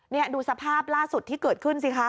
นี่ดูสภาพล่าสุดที่เกิดขึ้นสิคะ